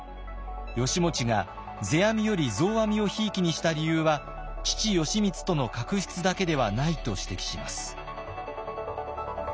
義持が世阿弥より増阿弥をひいきにした理由は父・義満との確執だけではないと指摘します。